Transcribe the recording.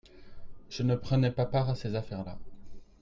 je ne prenais pas part à ces affaires-là.